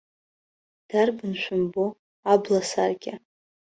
Дарбан шәымбо, абласаркьа!